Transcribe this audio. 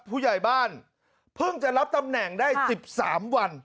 ผู้ใหญ่บ้านเพิ่งจะรับตำแหน่งได้๑๓วัน